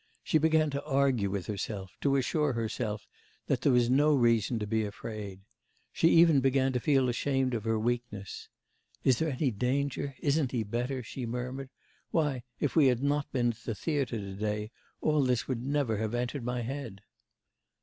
She began to argue with herself, to assure herself that there was no reason to be afraid. She even began to feel ashamed of her weakness. 'Is there any danger? isn't he better?' she murmured. 'Why, if we had not been at the theatre to day, all this would never have entered my head.